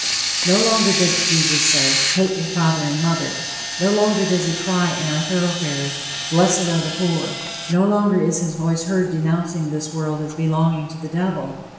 No longer does Jesus say, "hate your father and mother;" no longer does he cry in our great thoroughfares, "blessed are the poor;" no longer is his voice heard denouncing this world as belonging to the devil.